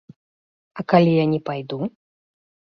А калі я не пайду?